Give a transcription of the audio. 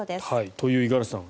という五十嵐さん